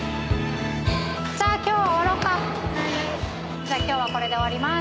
「今日はこれで終わります」